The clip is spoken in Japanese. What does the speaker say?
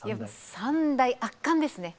三大圧巻ですね。